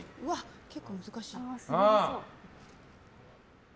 結構難しいな。